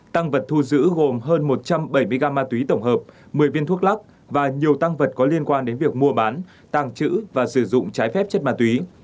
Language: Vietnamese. tăng vật thu giữ gồm hơn một trăm bảy mươi g ma túy tổng hợp một mươi viên thuốc lắc và nhiều tăng vật có liên quan đến việc mua bán tàng trữ và sử dụng trái phép chất ma túy